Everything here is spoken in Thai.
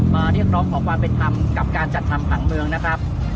มาเรียกร้องขอความเป็นธรรมกับการจัดทำผังเมืองนะครับ